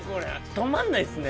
止まんないっすね。